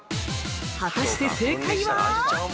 ◆果たして、正解は。